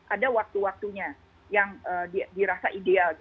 ada waktu waktunya yang dirasa ideal